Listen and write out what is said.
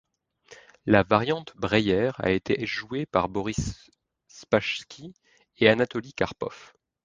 La variante Breyer a été jouée par Boris Spassky et Anatoli Karpov.